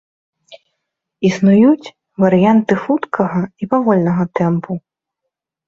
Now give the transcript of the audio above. Існуюць варыянты хуткага і павольнага тэмпу.